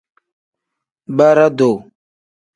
Bara-duu.